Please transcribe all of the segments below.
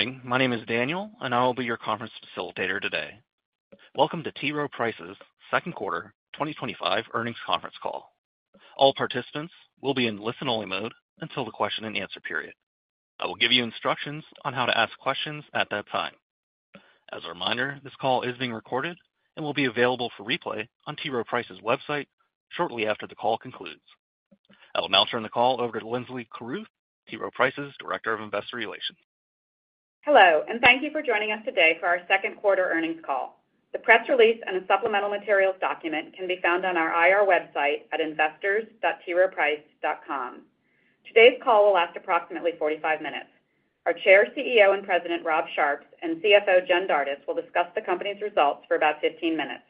Good morning, my name is Daniel and I will be your conference facilitator today. Welcome to T. Rowe Price's second quarter 2025 earnings conference call. All participants will be in listen-only mode until the question and answer period. I will give you instructions on how to ask questions at that time. As a reminder, this call is being recorded and will be available for replay on T. Rowe Price's website shortly after the call concludes. I will now turn the call over to Linsley Carruth, T. Rowe Price's Director of Investor Relations. Hello and thank you. For joining us today for our second quarter earnings call. The press release and a supplemental materials document can be found on our IR website at investors.troweprice.com. Today's call will last approximately 45 minutes. Our Chair, CEO and President Rob Sharps and CFO Jen Dardis will discuss the company's results for about 15 minutes.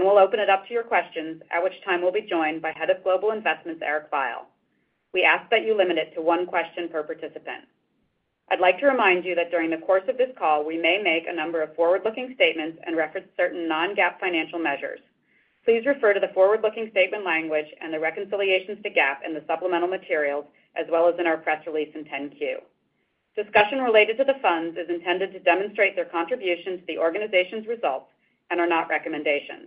We'll open it up to your questions, at which time we'll be joined by Head of Global Investments Eric Veiel. We ask that you limit it to one question per participant. I'd like to remind you that during the course of this call we may make a number of forward-looking statements and reference certain non-GAAP financial measures. Please refer to the forward-looking statement language and the reconciliations to GAAP in the supplemental materials as well as in our press release and 10-Q. Discussion related to the funds is intended to demonstrate their contribution to the organization's results and are not recommendations.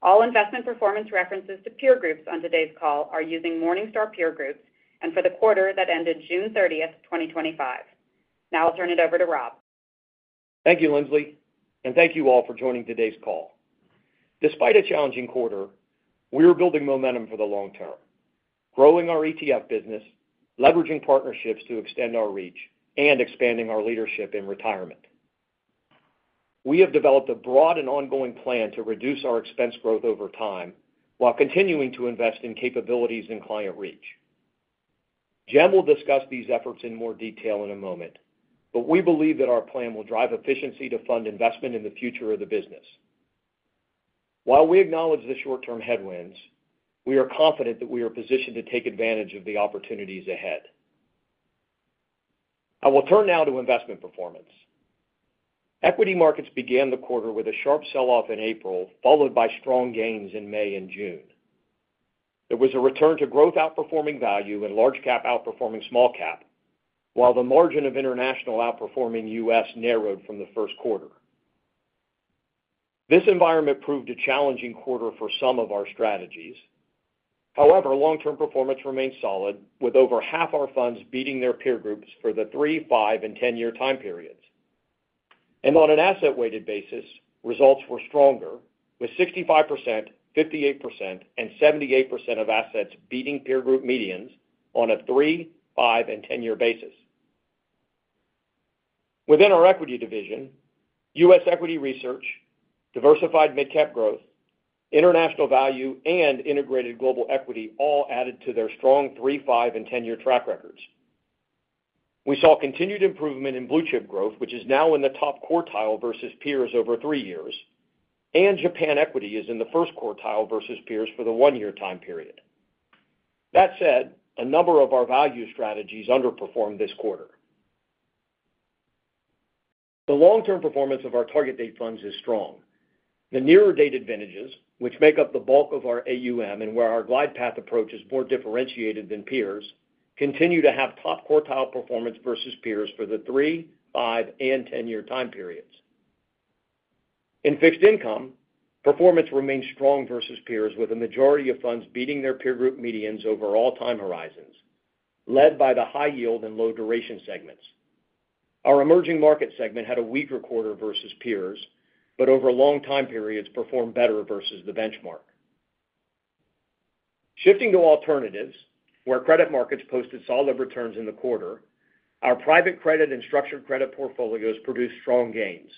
All investment performance references to peer groups on today's call are using Morningstar Peer Groups and for the quarter that ended June 30, 2025. Now I'll turn it over to Rob. Thank you, Linsley, and thank you all for joining today's call. Despite a challenging quarter, we are building momentum for the long term, growing our ETF business, leveraging partnerships to extend our reach, and expanding our leadership in retirement. We have developed a broad and ongoing plan to reduce our expense growth over time while continuing to invest in capabilities and client reach. Jen will discuss these efforts in more detail in a moment, but we believe that our plan will drive efficiency to fund investment in the future of the business. While we acknowledge the short-term headwinds, we are confident that we are positioned to take advantage of the opportunities ahead. I will turn now to investment performance. Equity markets began the quarter with a sharp sell-off in April, followed by strong gains in May and June. There was a return to growth, outperforming value, and large cap outperforming small cap, while the margin of international outperforming U.S. narrowed from the first quarter. This environment proved a challenging quarter for some of our strategies. However, long-term performance remains solid, with over half our funds beating their peer groups for the three, five, and ten year time periods, and on an asset-weighted basis, results were stronger, with 65%, 58%, and 78% of assets beating peer group medians on a three, five, and 10 year basis. Within our equity division, U.S. Equity Research, Diversified Mid Cap Growth, International Value, and Integrated Global Equity all added to their strong three, five, and 10 year track records. We saw continued improvement in Blue Chip Growth, which is now in the top quartile versus peers over three years, and Japan Equity is in the first quartile versus peers for the one year time period. That said, a number of our value strategies underperformed this quarter. The long-term performance of our target date funds is strong. The nearer date vintages, which make up the bulk of our AUM and where our glide path approach is more differentiated than peers, continue to have top quartile performance versus peers for the three, five, and 10 year time periods. In fixed income, performance remains strong versus peers, with a majority of funds beating their peer group medians over all time horizons, led by the high yield and low duration segments. Our emerging market segment had a weaker quarter versus peers, but over long time periods performed better versus the benchmark. Shifting to Alternatives where credit markets posted solid returns in the quarter, our private credit and structured credit portfolios produced strong gains,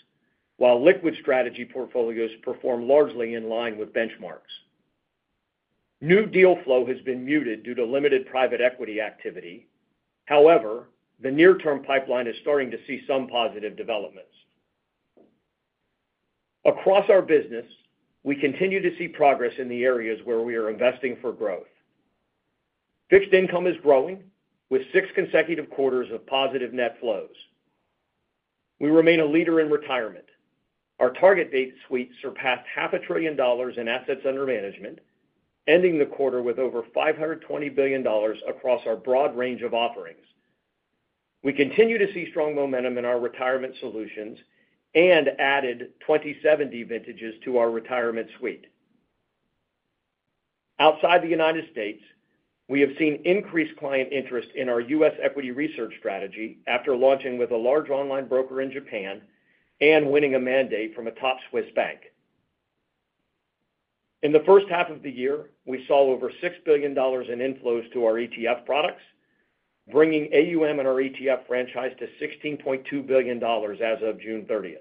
while liquid strategy portfolios performed largely in line with benchmarks. New deal flow has been muted due to limited private equity activity. However, the near-term pipeline is starting to see some positive developments across our business. We continue to see progress in the areas where we are investing for growth. Fixed income is growing with six consecutive quarters of positive net flows. We remain a leader in retirement. Our target date suite surpassed half a trillion dollars in assets under management, ending the quarter with over $520 billion across our broad range of offerings. We continue to see strong momentum in our retirement solutions and added 2070 vintages to our retirement suite. Outside the U.S., we have seen increased client interest in our U.S. Equity Research strategy after launching with a large online broker in Japan and winning a mandate from a top Swiss bank. In the first half of the year, we saw over $6 billion in inflows to our ETF products, bringing AUM in our ETF franchise to $16.2 billion. As of June 30,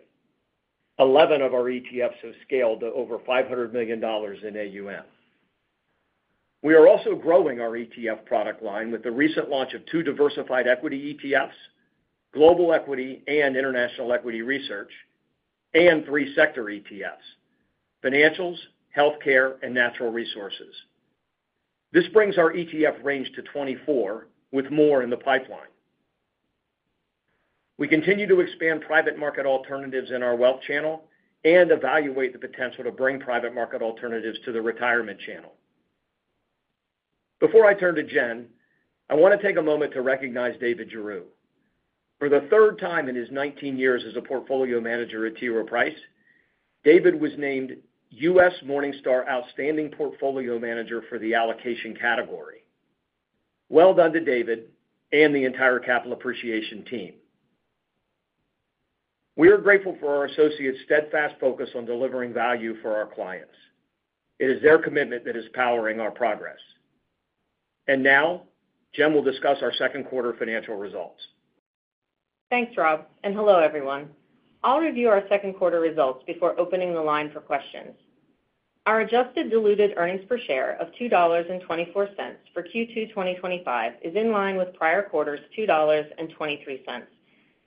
11 of our ETFs have scaled to over $500 million in AUM. We are also growing our ETF product line with the recent launch of two diversified equity ETFs, global equity and international equity research, and three sector ETFs, financials, health care, and natural resources. This brings our ETF range to 24. With more in the pipeline, we continue to expand private market alternatives in our wealth channel and evaluate the potential to bring private market alternatives to the retirement channel. Before I turn to Jen, I want to take a moment to recognize David Giroux. For the third time in his 19 years as a Portfolio Manager at T. Rowe Price, David was named U.S. Morningstar Outstanding Portfolio Manager for the Allocation category. Well done to David and the entire Capital Appreciation team. We are grateful for our associates' steadfast focus on delivering value for our clients. It is their commitment that is powering our progress, and now Jen will discuss our second quarter financial results. Thanks Rob and hello everyone. I'll review our second quarter results before opening the line for questions. Our adjusted diluted EPS of $2.24 for Q2 2025 is in line with prior quarter's $2.23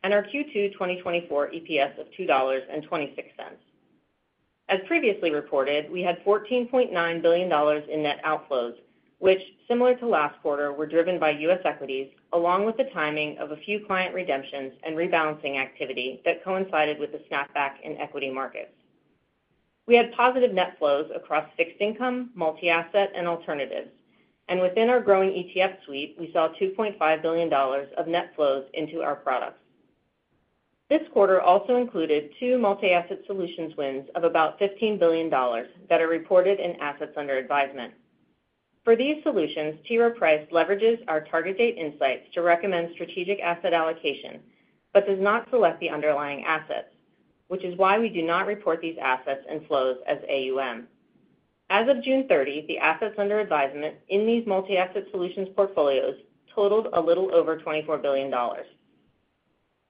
and our Q2 2024 EPS of $2.26. As previously reported, we had $14.9 billion in net outflows, which similar to last quarter were driven by U.S. equities along with the timing of a few client redemptions and rebalancing activity that coincided with the snapback in equity markets. We had positive net flows across fixed income, multi-asset, and alternatives, and within our growing ETF suite we saw $2.5 billion of net flows into our products. This quarter also included two multi-asset solutions wins of about $15 billion that are reported in assets under advisement for these solutions. T. Rowe Price leverages our target date insights to recommend strategic asset allocation but does not select the underlying assets, which is why we do not report these assets and flows as AUM. As of June 30, the assets under advisement in these multi-asset solutions portfolios totaled a little over $24 billion.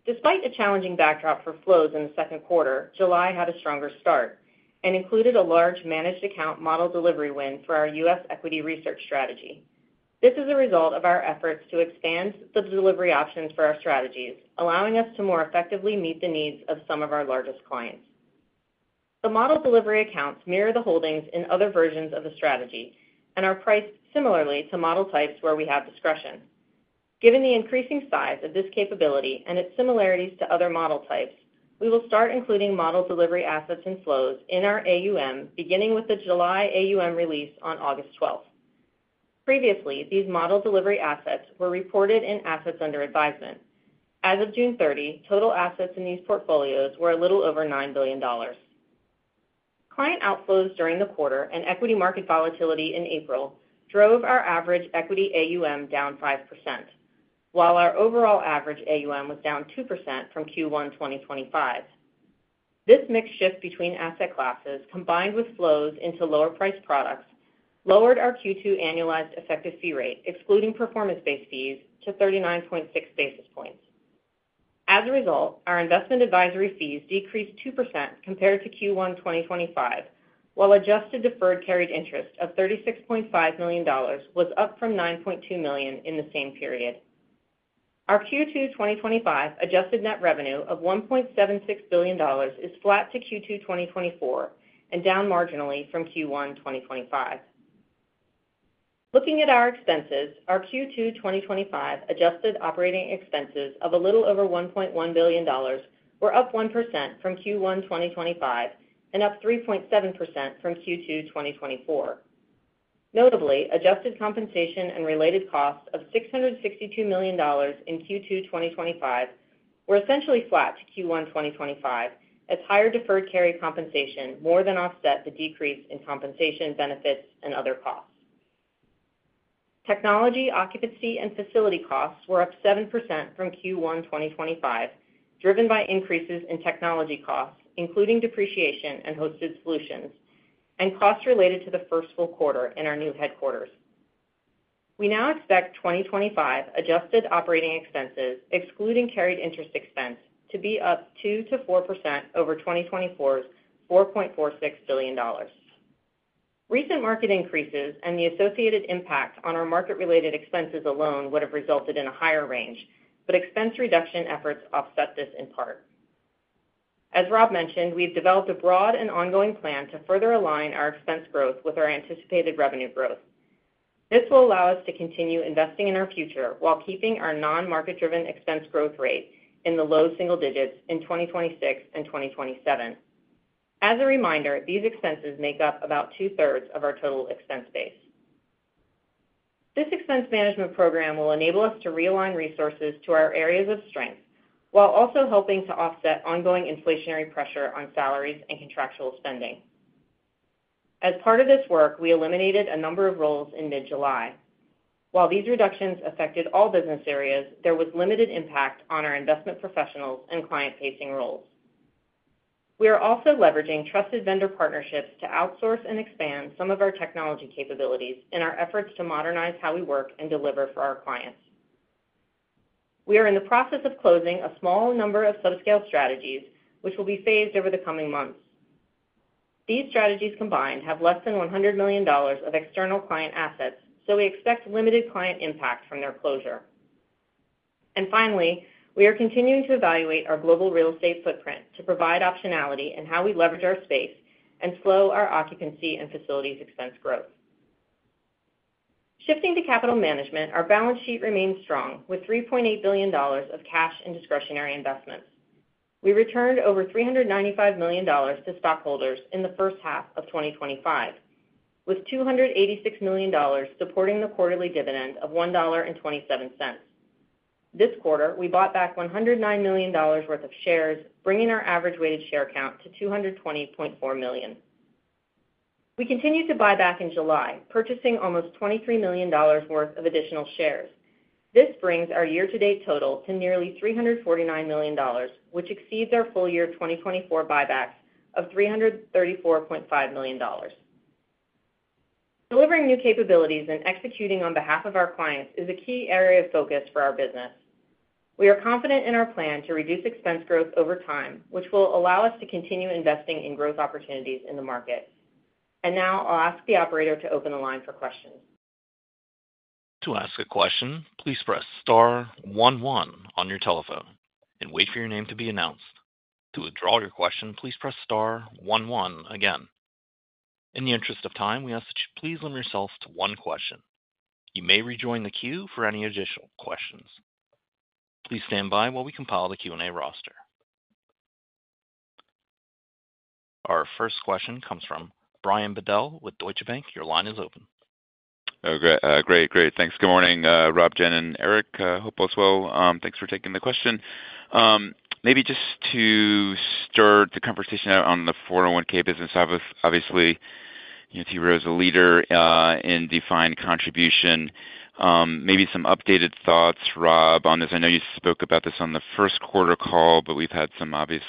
Despite a challenging backdrop for flows in the second quarter, July had a stronger start and included a large managed account model delivery win for our U.S. Equity Research strategy. This is a result of our efforts to expand the delivery options for our strategies, allowing us to more effectively meet the needs of some of our largest clients. The model delivery accounts mirror the holdings in other versions of the strategy and are priced similarly to model types where we have discretion. Given the increasing size of this capability and its similarities to other model types, we will start including model delivery assets and flows in our AUM beginning with the July AUM release on August 12. Previously, these model delivery assets were reported in assets under advisement. As of June 30, total assets in these portfolios were a little over $9 billion. Client outflows during the quarter and equity market volatility in April drove our average equity AUM down 5% while our overall average AUM was down 2% from Q1 2025. This mix shift between asset classes combined with flows into lower priced products lowered our Q2 annualized effective fee rate excluding performance-based fees to 39.6 basis points. As a result, our investment advisory fees decreased 2% compared to Q1 2025, while adjusted deferred carried interest of $36.5 million was up from $9.2 million in the same period. Our Q2 2025 adjusted net revenue of $1.76 billion is flat to Q2 2024 and down marginally from Q1 2025. Looking at our expenses, our Q2 2025 adjusted operating expenses of a little over $1.1 billion were up 1% from Q1 2025 and up 3.7% from Q2 2024. Notably, adjusted compensation and related costs of $662 million in Q2 2025 were essentially flat to Q1 2025 as higher deferred carry compensation more than offset the decrease in compensation benefits and other costs. Technology, occupancy, and facility costs were up 7% from Q1 2025 and driven by increases in technology costs including depreciation and hosted solutions and costs related to the first full quarter in our new headquarters. We now expect 2025 adjusted operating expenses excluding carried interest expense to be up 2% to 4% over 2024's $4.46 billion. Recent market increases and the associated impact on our market-related expenses alone would have resulted in a higher range, but expense reduction efforts offset this in part. As Rob mentioned, we've developed a broad and ongoing plan to further align our expense growth with our anticipated revenue growth. This will allow us to continue investing in our future while keeping our non-market-driven expense growth rate in the low single digits in 2026 and 2027. As a reminder, these expenses make up about two-thirds of our total expense base. This expense management program will enable us to realign resources to our areas of strength while also helping to offset ongoing inflationary pressure on salaries and contractual spending. As part of this work, we eliminated a number of roles in mid-July. While these reductions affected all business areas, there was limited impact on our investment professionals and client-facing roles. We are also leveraging trusted vendor partnerships to outsource and expand some of our technology capabilities in our efforts to modernize how we work and deliver for our clients. We are in the process of closing a small number of subscale strategies which will be phased over the coming months. These strategies combined have less than $100 million of external client assets, so we expect limited client impact from their closure. Finally, we are continuing to evaluate our global real estate footprint to provide optionality in how we leverage our space and slow our occupancy and facilities expense growth. Shifting to capital management, our balance sheet remains strong with $3.8 billion of cash and discretionary investments. We returned over $395 million to stockholders in the first half of 2025, with $286 million supporting the quarterly dividend of $1.27. This quarter we bought back $109 million worth of shares, bringing our average weighted share count to 220.4 million. We continued to buy back in July, purchasing almost $23 million worth of additional shares. This brings our year-to-date total to nearly $349 million, which exceeds our full year 2024 buyback of $334.5 million. Delivering new capabilities and executing on behalf of our clients is a key area of focus for our business. We are confident in our plan to reduce expense growth over time, which will allow us to continue investing in growth opportunities in the market, and now I'll ask the operator to open the line for questions. To ask a question, please press star one one on your telephone and wait for your name to be announced. To withdraw your question, please press star one one again. In the interest of time, we ask that you please limit yourself to one question. You may rejoin the queue for any additional questions. Please stand by while we compile the Q and A roster. Our first question comes from Brian Bedell with Deutsche Bank. Your line is open. Great. Thanks. Good morning Rob, Jen and Eric. Hope all is well. Thanks for taking the question. Maybe just to start the conversation on the 401 business, obviously T. Rowe is a leader in defined contribution. Maybe some updated thoughts, Rob, on this. I know you spoke about this on the first quarter call, but we've had some obvious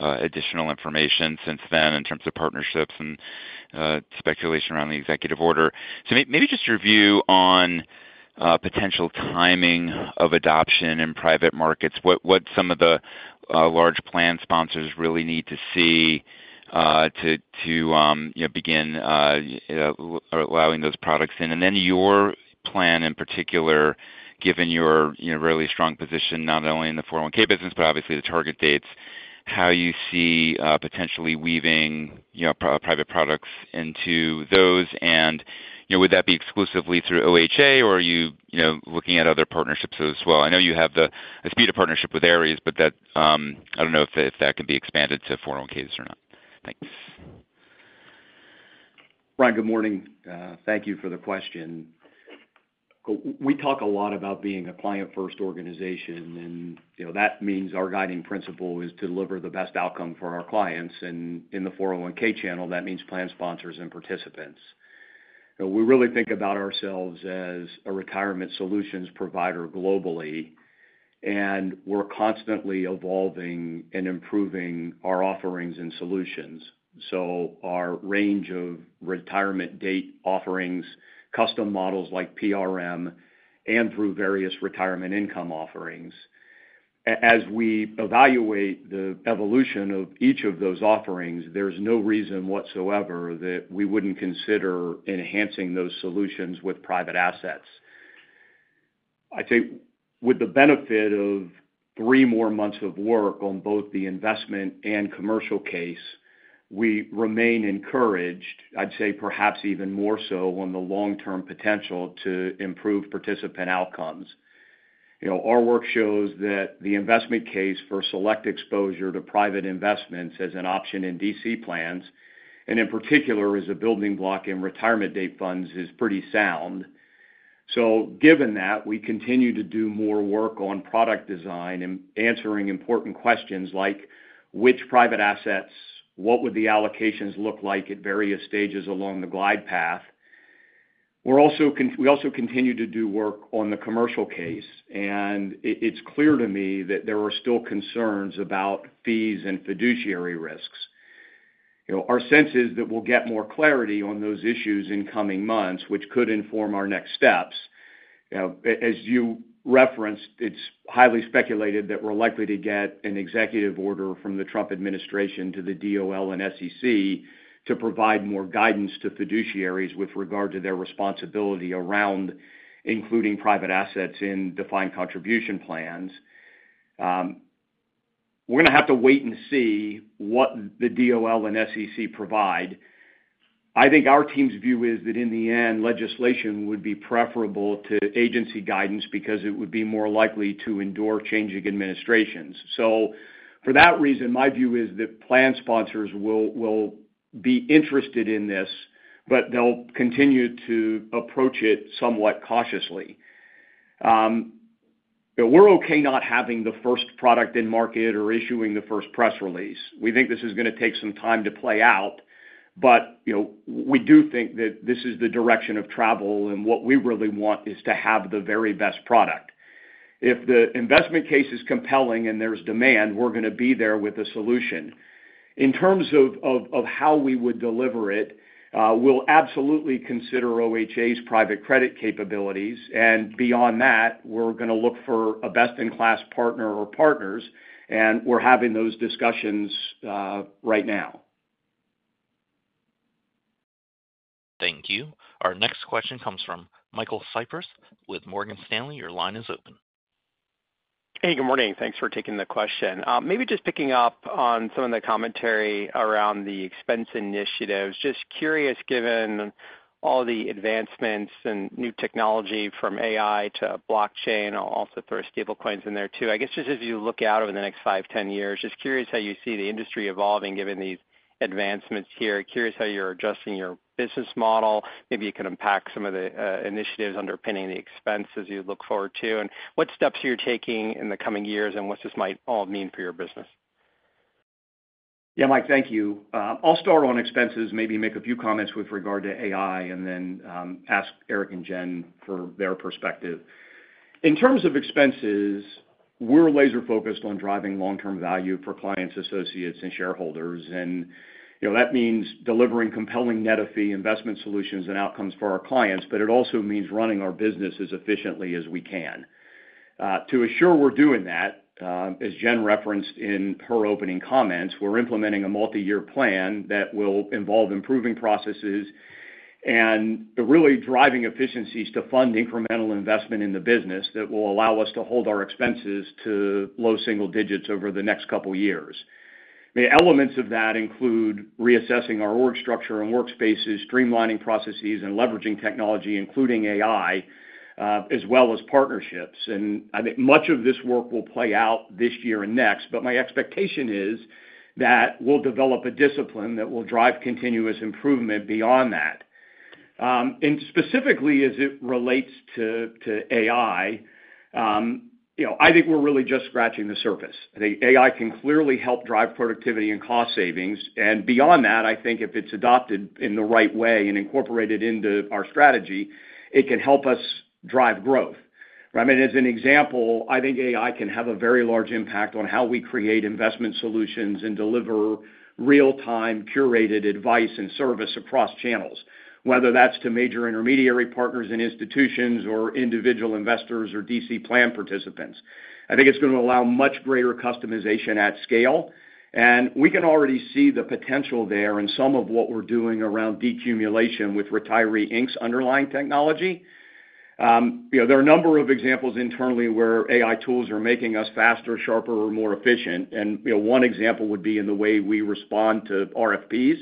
additional information since then in terms of partnerships and speculation around the executive order. Maybe just your view on potential timing of adoption in private markets, what some of the large plan sponsors really need to see to begin allowing those products in. Then your plan in particular, given your really strong position not only in the 401 business, but obviously the target date assets, how you see potentially weaving private products into those. Would that be exclusively through OHA, or are you looking at other partnerships as well? I know you have a SBITA partnership with Ares, but I don't know if that can be expanded to 401(k)s or not. Thanks Brian. Good morning. Thank you for the question. We talk a lot about being a client first organization and that means our guiding principle is to deliver the best outcome for our clients. In the 401 channel, that means plan sponsors. We really think about ourselves as a retirement solutions provider globally and we're constantly evolving and improving our offerings and solutions. Our range of target date offerings, custom models like PRM, and various retirement income offerings, as we evaluate the evolution of each of those offerings, there's no reason whatsoever that we wouldn't consider enhancing those solutions with private assets. I'd say with the benefit of three more months of work on both the investment and commercial case, we remain encouraged, perhaps even more so on the long-term potential to improve participant outcomes. Our work shows that the investment case for select exposure to private investments as an option in defined contribution plans and in particular as a building block in target date funds is pretty sound. Given that we continue to do more work on product design and answering important questions like which private assets, what would the allocations look like at various stages along the glide path, we also continue to do work on the commercial case and it's clear to me that there are still concerns about fees and fiduciary risks. Our sense is that we'll get more clarity on those issues in coming months, which could inform our next steps. As you referenced, it's highly speculated that we're likely to get an executive order from the Trump administration to the DOL and SEC to provide more guidance to fiduciaries with regard to their responsibility around including private assets in defined contribution plans. We're going to have to wait and see what the DOL and SEC provide. I think our team's view is that in the end legislation would be preferable to agency guidance because it would be more likely to endure changing administrations. For that reason, my view is that plan sponsors will be interested in this, but they'll continue to approach it somewhat cautiously. We're okay not having the first product in market or issuing the first press release. We think this is going to take some time to play out, but we do think that this is the direction of travel and what we really want is to have the very best product. If the investment case is compelling and there's demand, we're going to be there with a solution. In terms of how we would deliver it, we'll absolutely consider OHA's private credit capabilities and beyond that, we're going to look for a best in class partner or partners. We're having those discussions right now. Thank you. Our next question comes from Michael Cyprys with Morgan Stanley. Your line is open. Hey, good morning. Thanks for taking the question. Maybe just picking up on some of the commentary around the expense initiatives. Just curious, given all the advancements and new technology from AI to blockchain, I'll also throw stablecoins in there too. I guess just as you look out over the next five, ten years. Just curious how you see the industry evolving given these advancements here. Curious how you're adjusting your business model. Maybe you can unpack some of the initiatives underpinning the expenses you look forward to and what steps you're taking in the coming years and what this might all mean for your business. Yeah, Mike, thank you. I'll start on expenses, maybe make a few comments with regard to AI and then ask Eric and Jen for their perspective. In terms of expenses, we're laser focused on driving long-term value for clients, associates, and shareholders, and that means delivering compelling net of fee investment solutions and outcomes for our clients. It also means running our business as efficiently as we can to assure we're doing that. As Jen referenced in her opening comments, we're implementing a multi-year plan that will involve improving processes and really driving efficiencies to fund incremental investment in the business that will allow us to hold our expenses to low single digits over the next couple years. Elements of that include reassessing our org structure and workspaces, streamlining processes, and leveraging technology including AI as well as partnerships. Much of this work will play out this year and next, but my expectation is that we'll develop a discipline that will drive continuous improvement. Beyond that, and specifically as it relates to AI, I think we're really just scratching the surface. AI can clearly help drive productivity and cost savings. Beyond that, I think if it's adopted in the right way and incorporated into our strategy, it can help us drive growth. As an example, I think AI can have a very large impact on how we create investment solutions and deliver real-time curated advice and service across channels, whether that's to major intermediary partners and institutions or individual investors or DC plan participants. I think it's going to allow much greater customization at scale. We can already see the potential there in some of what we're doing around decumulation with Retiree Inc.'s underlying technology. There are a number of examples internally where AI tools are making us faster, sharper, or more efficient, and one example would be in the way we respond to RFPs.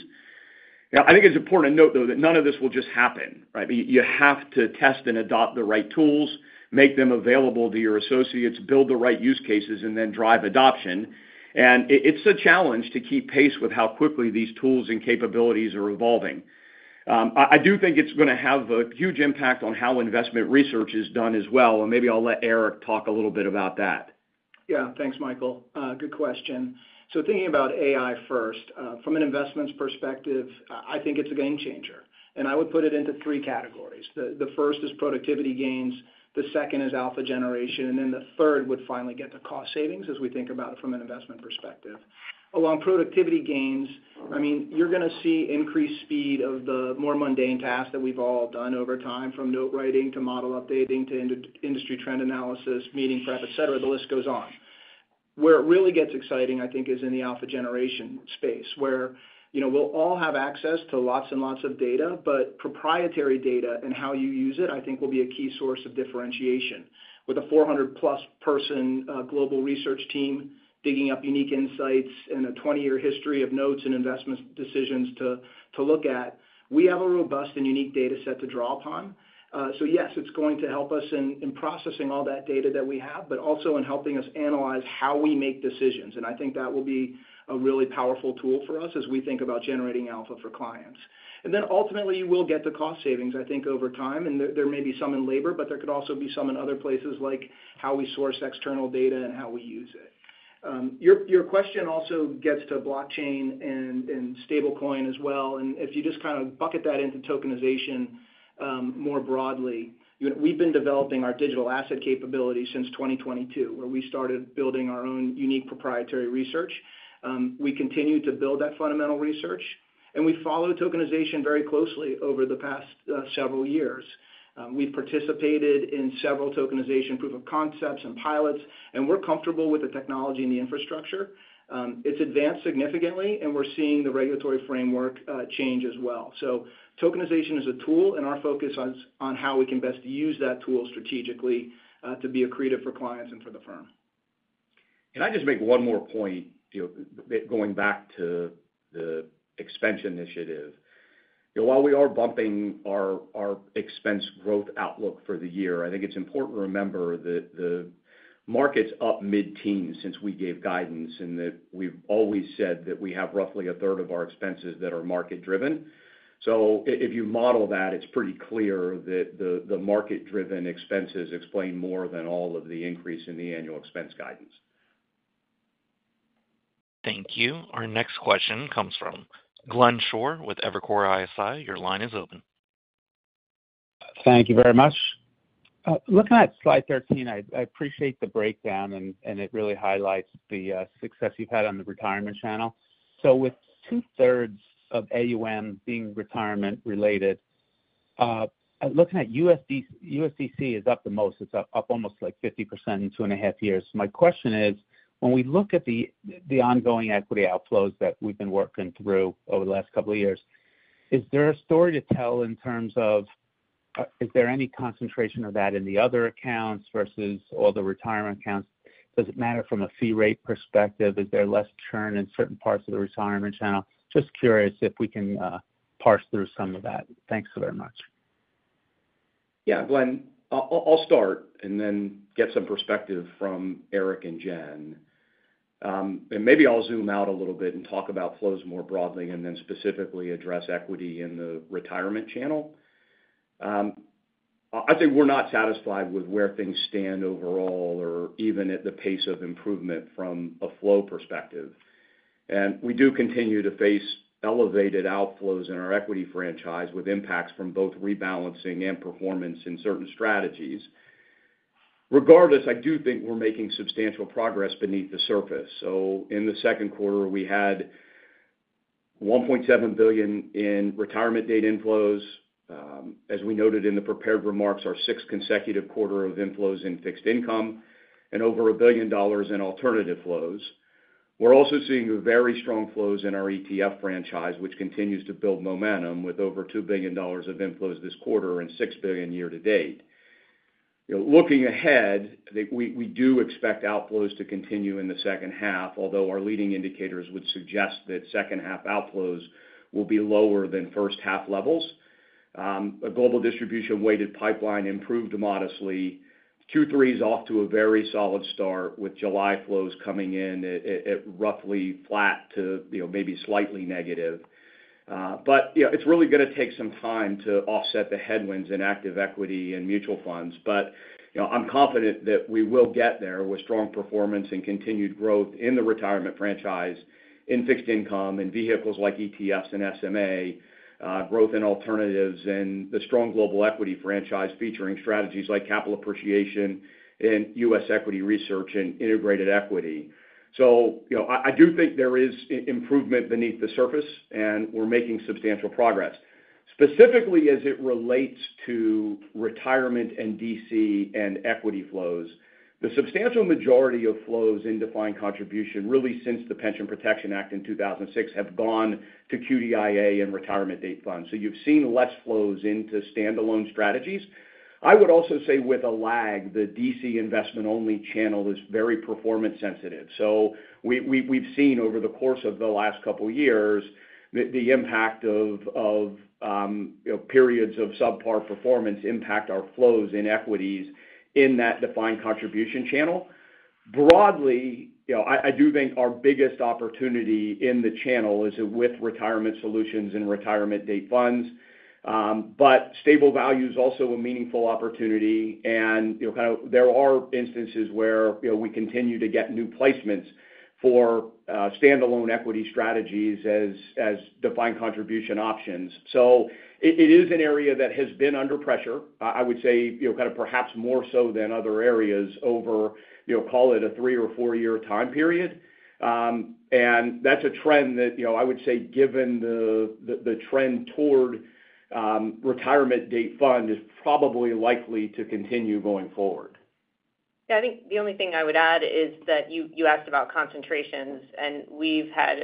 I think it's important to note though that none of this will just happen. You have to test and adopt the right tools, make them available to your associates, build the right use cases, and then drive adoption. It's a challenge to keep pace with how quickly these tools and capabilities are evolving. I do think it's going to have a huge impact on how investment research is done as well, and maybe I'll let Eric talk a little bit about that. Yeah, thanks Michael. Good question. So thinking about AI first from an investments perspective, I think it's a game changer and I would put it into three categories. The first is productivity gains, the second is alpha generation, and then the third would finally get to cost savings. As we think about it from an investment perspective along productivity gains, I mean, you're going to see increased speed of the more mundane tasks that we've all done over time. From note writing to model updating to industry trend analysis, meeting prep, et cetera, the list goes on. Where it really gets exciting, I think, is in the alpha generation space where we'll all have access to lots and lots of data. Proprietary data and how you use it, I think, will be a key source of differentiation. With a 400 plus person global research team digging up unique insights and a 20 year history of notes and investment decisions to look at, we have a robust and unique data set to draw upon. Yes, it's going to help us in processing all that data that we have, but also in helping us analyze how we make decisions. I think that will be a really powerful tool for us as we think about generating alpha for clients. Ultimately, you will get the cost savings, I think, over time. There may be some in labor, but there could also be some in other places like how we source external data and how we use it. Your question also gets to blockchain and Stablecoin as well. If you just kind of bucket that into tokenization more broadly, we've been developing our digital asset capability since 2022, where we started building our own unique proprietary research. We continue to build that fundamental research and we follow tokenization very closely. Over the past several years, we've participated in several tokenization proof of concepts and pilots and we're comfortable with the technology and the infrastructure. It's advanced significantly and we're seeing the regulatory framework change as well. Tokenization is a tool and our focus is on how we can best use that tool strategically to be accretive for clients and for the firm. Can I just make one more point going back to the expansion initiative? While we are bumping our expense growth outlook for the year, I think it's important to remember that the market's up mid teens since we gave guidance and that we've always said that we have roughly a third of our expenses that are market driven. If you model that, it's pretty clear that the market-driven expenses explain more than all of the increase in the annual expense guidance. Thank you. Our next question comes from Glenn Schorr with Evercore ISI. Your line is open. Thank you very much. Looking at slide 13, I appreciate the breakdown and it really highlights the success you've had on the retirement channel. With 2/3 of AUM being retirement related, looking at U.S. DC is up the most. It's up almost 50% in two and a half years. My question is, when we look at the ongoing equity outflows that we've been working through over the last couple of years, is there a story to tell in terms of is there any concentration of that in the other accounts versus all the retirement accounts? Does it matter from a fee rate perspective? Is there less churn in certain parts of the retirement channel? Just curious if we can parse through some of that. Thanks so very much. Yeah, Glenn, I'll start and then get some perspective from Eric and Jen and maybe I'll zoom out a little bit and talk about flows more broadly and then specifically address equity in the retirement channel. I think we're not satisfied with where things stand overall or even at the pace of improvement from a flow perspective. We do continue to face elevated outflows in our equity franchise with impacts from both rebalancing and performance in certain strategies. Regardless, I do think we're making substantial progress beneath the surface. In the second quarter we had $1.7 billion in retirement date inflows. As we noted in the prepared remarks, our sixth consecutive quarter of inflows in fixed income and over $1 billion in alternative flows. We're also seeing very strong flows in our ETF franchise, which continues to build momentum with over $2 billion of inflows this quarter and $6 billion year to date. Looking ahead, we do expect outflows to continue in the second half, although our leading indicators would suggest that second half outflows will be lower than first half levels. A global distribution weighted pipeline improved modestly. Q3 is off to a very solid start with July flows coming in at roughly flat to maybe slightly negative. It's really going to take some time to offset the headwinds in active equity and mutual funds. I am confident that we will get there with strong performance and continued growth in the retirement franchise in fixed income and vehicles like ETFs and SMA, growth in alternatives and the strong global equity franchise featuring strategies like capital appreciation and U.S. Equity Research and integrated equity. I do think there is improvement beneath the surface and we're making substantial progress specifically as it relates to retirement and DC and equity flows. The substantial majority of flows in defined contribution really since the Pension Protection Act in 2006 have gone to QDIA and retirement date funds. You have seen less flows into standalone strategies. I would also say with a lag, the DC investment only channel is very performance sensitive. We have seen over the course of the last couple years the impact of periods of subpar performance impact our flows in equities in that defined contribution channel. Broadly, I do think our biggest opportunity in the channel is with retirement solutions and retirement date funds. Stable value is also a meaningful opportunity and there are instances where we continue to get new placements for standalone equity strategies as defined contribution options. It is an area that has been under pressure, I would say kind of perhaps more so than other areas over, call it, a three or four year time period. That is a trend that I would say, given the trend toward retirement date fund, is probably likely to continue going forward. Yeah, I think the only thing I would add is that you asked about concentrations, and we've had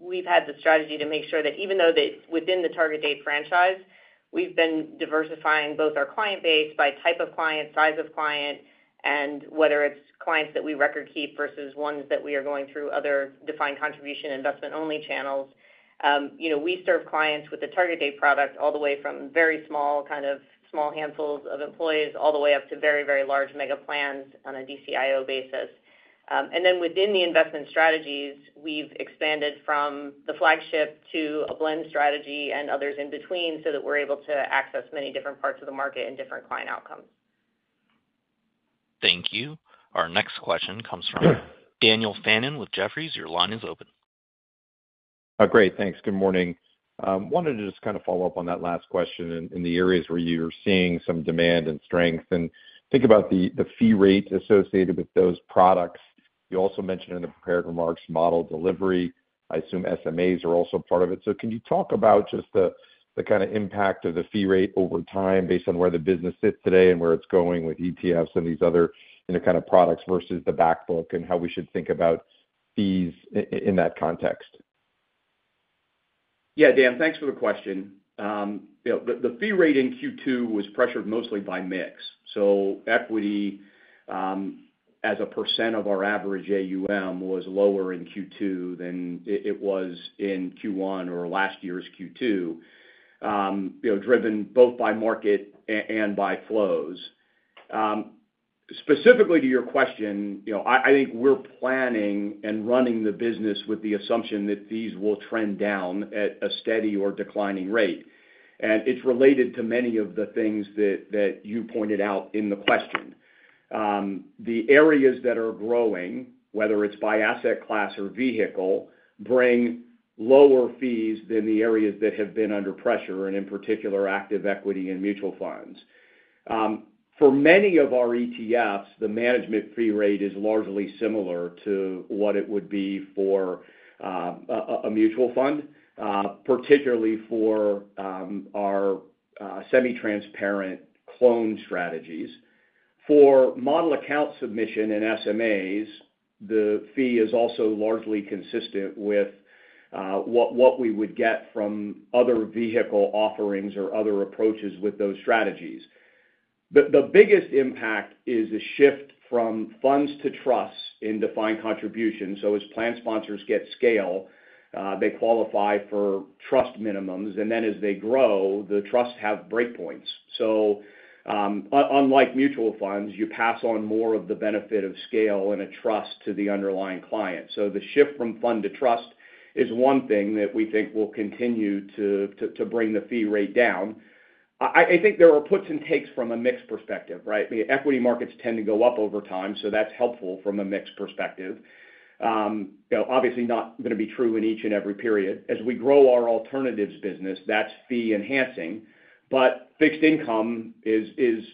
the strategy to make sure that even though within the target date franchise we've been diversifying both our client base by type of client, size of client, and whether it's clients that we record keep versus ones that we are going through other defined contribution investment only channels. We serve clients with a target date product all the way from very small, kind of small handfuls of employees all the way up to very, very large mega plans on a DCIO basis. Within the investment strategies, we've expanded from the flagship to a blend strategy and others in between so that we're able to access many different parts of market and different client outcomes. Thank you. Our next question comes from Daniel Fannon with Jefferies. Your line is open. Great, thanks. Good morning. Wanted to just kind of follow up on that last question in the areas where you're seeing some demand and strength and think about the fee rate associated with those products. You also mentioned in the prepared remarks model delivery, I assume SMAs are also part of it. Can you talk about just the kind of impact of the fee rate over time based on where the business sits today and where it's going with ETFs and these other kind of products versus the back book and how we should think about fees in that context? Yeah, Dan, thanks for the question. The fee rate in Q2 was pressured mostly by mix. Equity as a % of our average AUM was lower in Q2 than it was in Q1 or last year's Q2, driven both by market and by flows. Specifically to your question, I think we're planning and running the business with the assumption that fees will trend down at a steady or declining rate. It's related to many of the things that you pointed out in the question. The areas that are growing, whether it's by asset class or vehicle, bring lower fees than the areas that have been under pressure, in particular active equity and mutual funds. For many of our ETFs, the management fee rate is largely similar to what it would be for a mutual fund, particularly for our semi-transparent clone strategies. For model account submission and SMAs, the fee is also largely consistent with what we would get from other vehicle offerings or other approaches with those strategies. The biggest impact is a shift from funds to collective trusts in defined contributions. As plan sponsors get scale, they qualify for trust minimums. As they grow, the trusts have breakpoints. Unlike mutual funds, you pass on more of the benefit of scale in a trust to the underlying client. The shift from fund to trust is one thing that we think will continue to bring the fee rate down. I think there are puts and takes from a mix perspective. Equity markets tend to go up over time, so that's helpful from a mix perspective. Obviously, that's not going to be true in each and every period. As we grow our private market alternatives business, that's fee enhancing. Fixed income is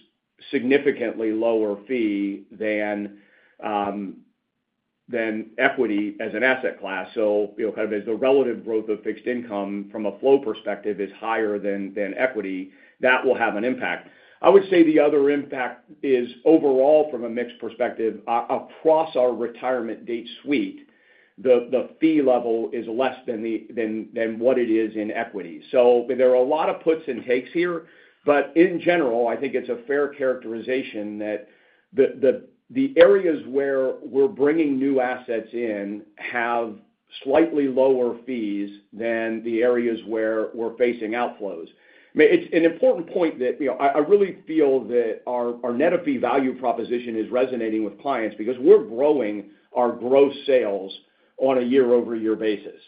significantly lower fee than equity as an asset class. As the relative growth of fixed income from a flow perspective is higher than equity, that will have an impact. I would say the other impact is overall from a mix perspective. Across our retirement date suite, the fee level is less than what it is in equity. There are a lot of puts and takes here, but in general I think it's a fair characterization that the areas where we're bringing new assets in have slightly lower fees than the areas where we're facing outflows. It's an important point that I really feel that our net of fee value proposition is resonating with clients because we're growing our gross sales on a year-over-year basis.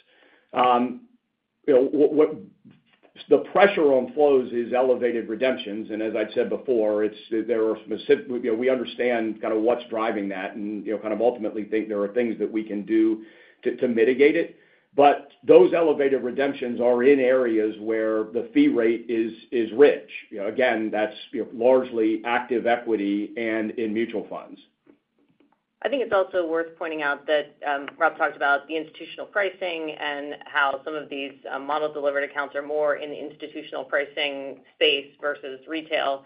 The pressure on flows is elevated redemptions. As I've said before, we understand what's driving that and ultimately think there are things that we can do to mitigate it. Those elevated redemptions are in areas where the fee rate is rich. Again, that's largely active equity. In mutual funds, I think it's. Also worth pointing out that Rob talked about the institutional pricing and how some of these model delivered accounts are more in the institutional pricing space versus retail.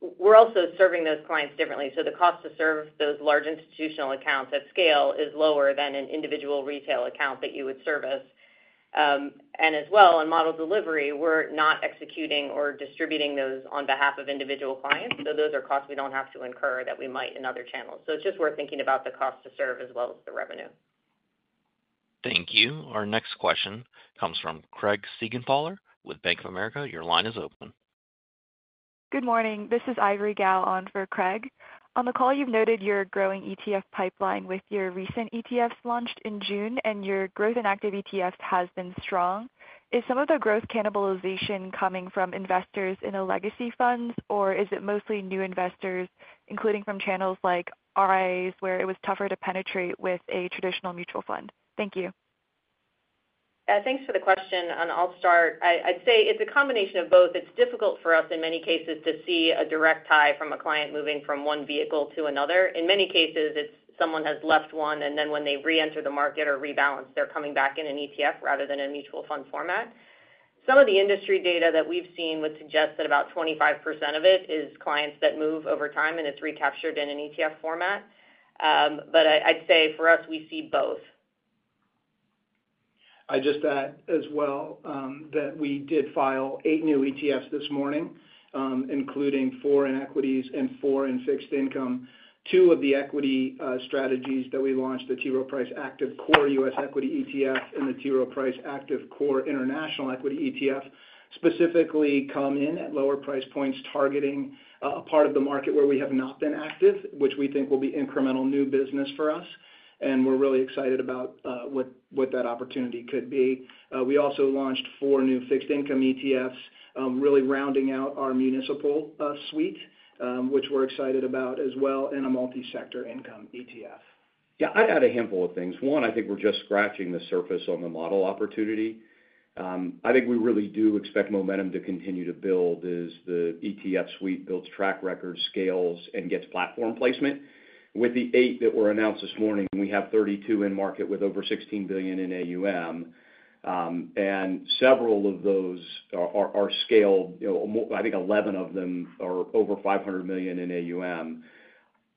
We’re also serving those clients differently. The cost to serve those large institutional accounts at scale is lower than an individual retail account that you would service. As well, in model delivery, we’re not executing or distributing those on behalf of individual clients. Those are costs we don’t have to incur that we might in other channels. It’s just worth thinking about the cost to serve as well as the revenue. Thank you. Our next question comes from Craig Siegenthaler with Bank of America. Your line is open. Good morning, this is Ivory Gao on for Craig on the call. You've noted your growing ETF pipeline with your recent ETFs launched in June, and your growth in active ETFs has been strong. Is some of the growth cannibalization coming from investors in a legacy fund, or is it mostly new investors, including from channels like RIA, where it was tougher to penetrate with a traditional mutual fund? Thank you. Thanks for the question, and I'll start. I'd say it's a combination of both. It's difficult for us in many cases to see a direct tie from a client moving from one vehicle to another. In many cases, someone has left one, and then when they reenter the market or rebalance, they're coming back in an ETF rather than a mutual fund format. Some of the industry data that we've seen would suggest that about 25% of it is clients that move over time, and it's recaptured in an ETF format. I'd say for us we see both. I'd just add as well that we did file eight new ETFs this morning, including four in equities and four in fixed income. Two of the equity strategies that we launched, the T. Rowe Price Active Core US Equity ETF and the T. Rowe Price Active Core International Equity ETF, specifically come in at lower price points, targeting a part of the market where we have not been active, which we think will be incremental new business for us. We are really excited about what that opportunity could be. We also launched four new fixed income ETFs, really rounding out our municipal suite, which we are excited about as well, and a multi-sector income ETF. I'd add a handful of things. One, I think we are just scratching the surface on the model opportunity. I think we really do expect momentum to continue to build as the ETF suite builds track record, scales, and gets platform placement. With the eight that were announced this morning, we have 32 in market with over $16 billion in AUM and several of those are scaled. I think 11 of them are over $500 million in AUM.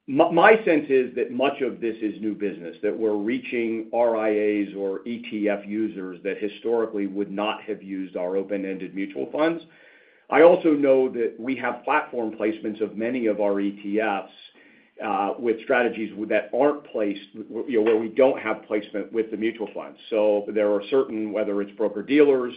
My sense is that much of this is new business, that we are reaching RIAs or ETF users that historically would not have used our open-ended mutual funds. I also know that we have platform placements of many of our ETFs with strategies that are not placed where we do not have placement with the mutual funds. There are certain, whether it is broker dealers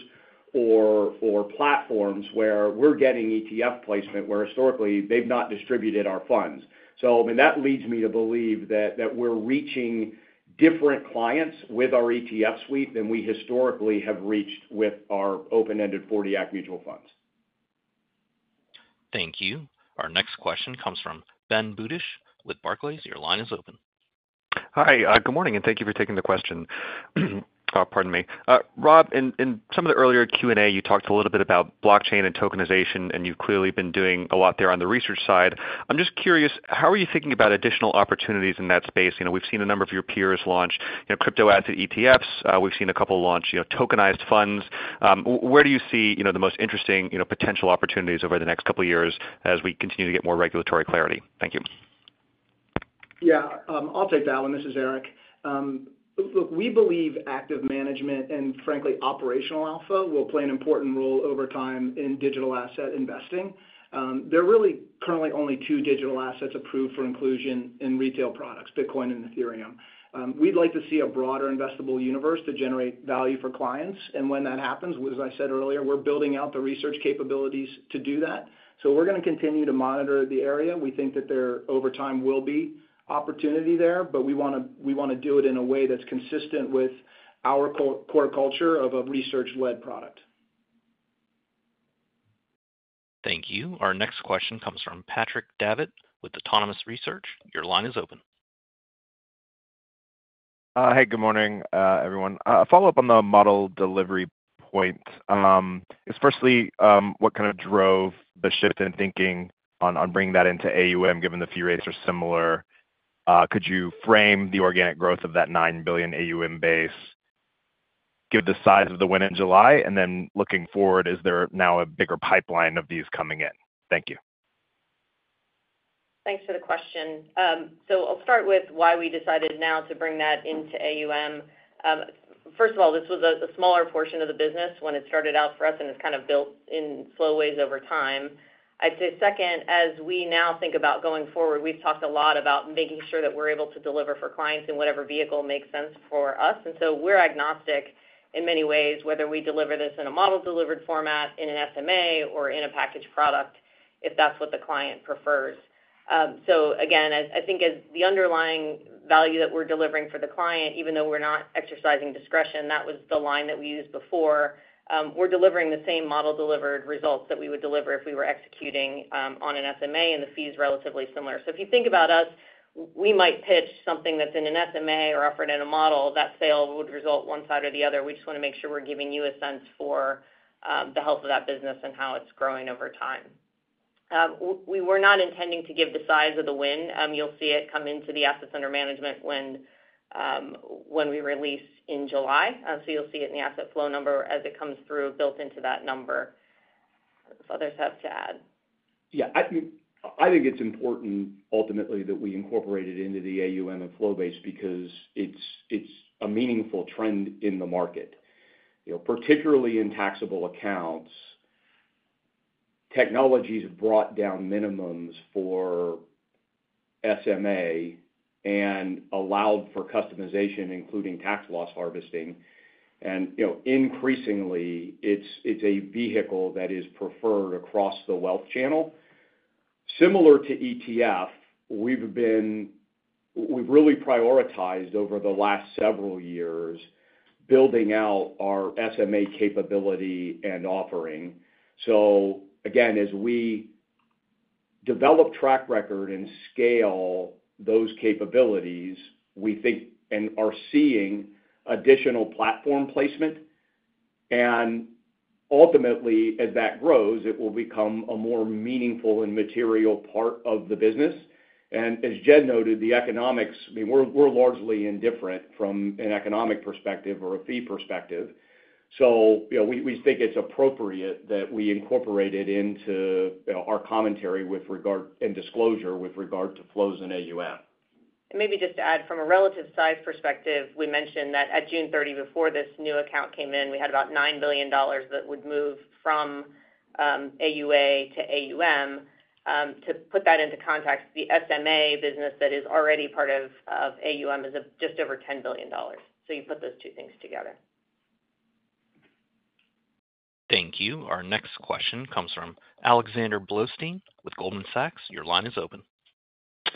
or platforms, where we are getting ETF placement where historically they have not distributed our funds. That leads me to believe that we are reaching different clients with our ETF suite than we historically have reached with our open-ended 40 Act mutual funds. Thank you. Our next question comes from Ben Budish with Barclays. Your line is open. Hi, good morning and thank you for taking the question. Pardon me, Rob, in some of the earlier Q&A, you talked a little bit about blockchain and tokenization and you have clearly been doing a lot there. On the research side, I am just curious, how are you thinking about additional opportunities in that space? We have seen a number of your peers launch crypto asset ETFs. We have seen a couple launch tokenized funds. Where do you see the most interesting potential opportunities over the next couple of years as we continue to get more regulatory clarity? Thank you. I'll take that one. This is Eric. We believe active management and, frankly, operational alpha will play an important role over time in digital asset investing. There are really currently only two digital assets approved for inclusion in retail products, Bitcoin and Ethereum. We'd like to see a broader investable universe to generate value for clients, and when that happens, as I said earlier, we're building out the research capabilities to do that. We're going to continue to monitor the area. We think that there over time will be opportunity there. We want to do it in a way that's consistent with our core culture of a research-led product. Thank you. Our next question comes from Patrick Davitt with Autonomous Research. Your line is open. Hey, good morning everyone. Follow up on the model delivery point. Firstly, what kind of drove the shift in thinking on bringing that into AUM? Given the fee rates are similar, could you frame the organic growth of that $9 billion AUM base, give the size of the win in July, and then looking forward, is there now a bigger pipeline of these coming in? Thank you. Thanks for the question. I'll start with why we decided now to bring that into AUM. First of all, this was a smaller portion of the business when it started out for us, and it's kind of built in slow ways over time, I'd say. Second, as we now think about going forward, we've talked a lot about making sure that we're able to deliver for clients in whatever vehicle makes sense for us. We're agnostic in many ways, whether we deliver this in a model delivered format, in an SMA, or in a packaged product if that's what the client prefers. I think the underlying value that we're delivering for the client, even though we're not exercising discretion, that was the line that we used before. We're delivering the same model delivered results that we would deliver if we were executing on an SMA, and the fee is relatively similar. If you think about us, we might pitch something that's in an SMA or offered in a model, that sale would result one side or the other. We just want to make sure we're giving you a sense for the health of that business and how it's growing over time. We were not intending to give the size of the win. You'll see it come into the assets under management when we release in July. You'll see it in the asset flow number as it comes through, built into that number. If others have to add. Yeah, I think it's important ultimately that we incorporate it into the AUM and flow base because it's a meaningful trend in the market, particularly in taxable accounts. Technology's brought down minimums for SMA and allowed for customization, including tax loss harvesting. It's increasingly a vehicle that is preferred across the wealth channel, similar to ETF. We've really prioritized over the last several years building out our SMA capability and offering. As we develop track record and scale those capabilities, we think and are seeing additional platform placement. Ultimately, as that grows, it will become a more meaningful and material part of the business. As Jen noted, the economics are largely indifferent from an economic perspective or a fee perspective. We think it's appropriate that we incorporate it into our commentary with regard and disclosure with regard to flows in AUM. Maybe just to add from a relative size perspective, we mentioned that at June 30, before this new account came in, we had about $9 billion that would move from AUA to AUM. To put that into context, the SMA business that is already part of AUM is just over $10 billion. You put those two things together. Thank you. Our next question comes from Alexander Blostein with Goldman Sachs. Your line is open.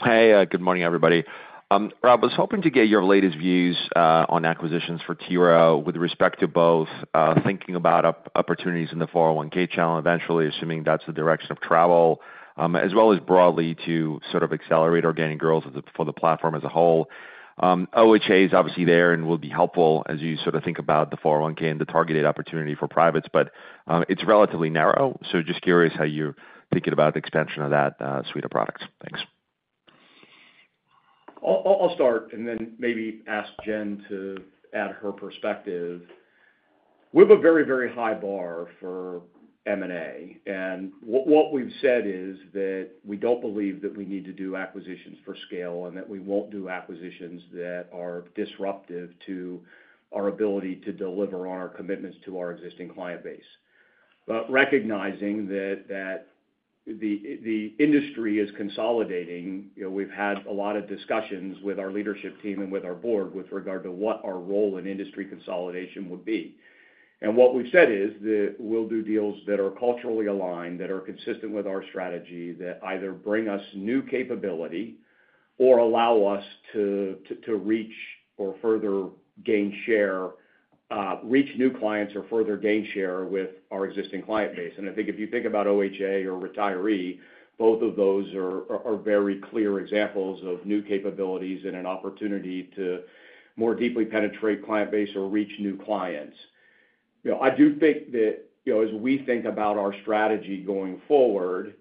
Hey, good morning, everybody. Rob, I was hoping to get your latest views on acquisitions for T. Rowe with respect to both thinking about opportunities in the 401(k) channel, eventually, assuming that's the direction of travel as well as broadly to sort of accelerate organic growth for the platform as a whole. OHA is obviously there and will be helpful as you sort of think about the 401(k) and the targeted opportunity for privates, but it's relatively narrow. Just curious how you're thinking about the expansion of that suite of products. Thanks. I'll start and then maybe ask Jen to add her perspective. We have a very, very high bar for M&A. What we've said is that we don't believe that we need to do acquisitions for scale and that we won't do acquisitions that are disruptive to our ability to deliver on our commitments to our existing client base. Recognizing that the industry is consolidating, we've had a lot of discussions with our leadership team and with our board with regard to what our role in industry consolidation would be. What we've said is that we'll do deals that are culturally aligned, that are consistent with our strategy, that either bring us new capability or allow us to reach or further gain share, reach new clients or further gain share with our existing client base. I think if you think about OHA or Retiree, both of those are very clear examples of new capabilities and an opportunity to more deeply penetrate client base or reach new clients. I do think that as we think about our strategy going forward,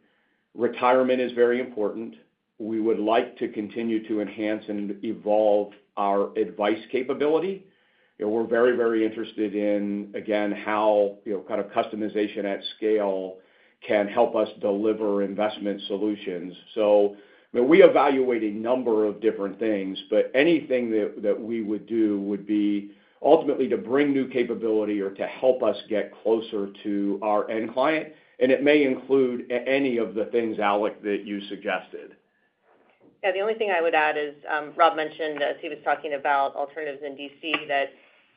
retirement is very important. We would like to continue to enhance and evolve our advice capability. We're very, very interested in, again, how customization at scale can help us deliver investment solutions. We evaluate a number of different things, but anything that we would do would be ultimately to bring new capability or to help us get closer to our end client. It may include any of the things, Alex, that you suggested. The only thing I would add is Rob mentioned as he was talking about alternatives in DC, that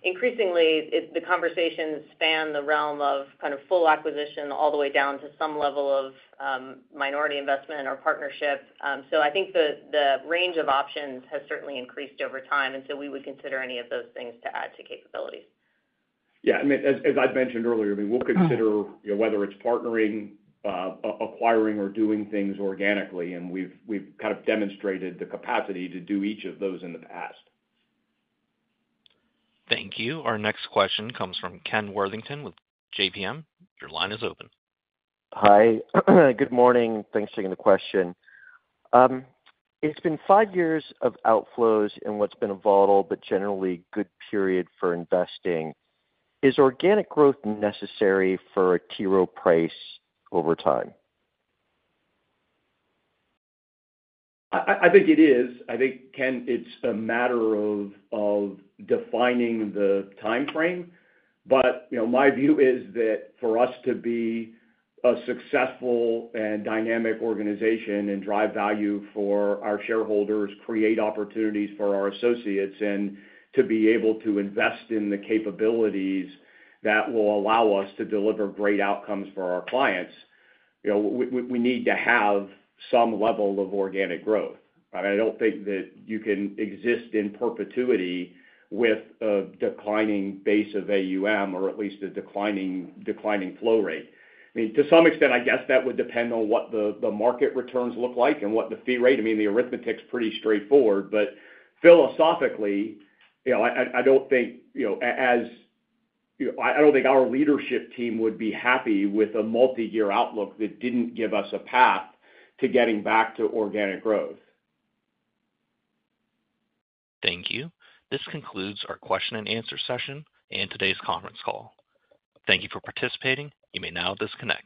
increasingly the conversations span the realm of kind of full acquisition all the way down to some level of minority investment or partnership. I think the range of options has certainly increased over time, and we would consider any of those things to add to capabilities. Yeah, as I mentioned earlier, we'll consider whether it's partnering, acquiring, or doing things organically. We've kind of demonstrated the capacity to do each of those in the past. Thank you. Our next question comes from Kenneth Worthington with JPM. Your line is open. Hi, good morning. Thanks for taking the question. It's been five years of outflows in what's been a volatile but generally good period for investing. Is organic growth necessary for T. Rowe Price over time? I think it is. I think, Ken, it's a matter of defining the time frame. My view is that for us to be a successful and dynamic organization and drive value for our shareholders, create opportunities for our associates, and to be able to invest in the capabilities that will allow us to deliver great outcomes for our clients, we need to have some level of organic growth. I don't think that you can exist in perpetuity with a declining base of AUM or at least a declining flow rate to some extent. I guess that would depend on what the market returns look like and what the fee rate is. The arithmetic is pretty straightforward. Philosophically, I don't think our leadership team would be happy with a multi-year outlook that didn't give us a path to getting back to organic growth. Thank you. This concludes our question and answer session and today's conference call. Thank you for participating. You may now disconnect.